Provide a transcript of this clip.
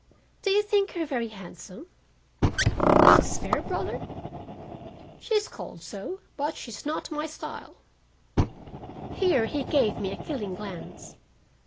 Do you think her very handsome?" "Mrs. Fairbrother? She's called so, but she's not my style." Here he gave me a killing glance.